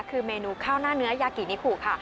คือเมนูข้าวหน้าเนื้อยากินิคูค่ะ